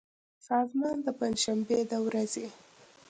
سازمان د پنجشنبې د ورځې